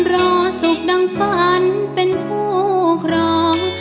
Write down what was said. รอสุขดังฝันเป็นคู่ครอง